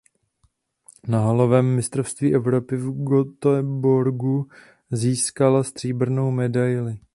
Na halovém mistrovství Evropy v Göteborgu získala stříbrnou medaili.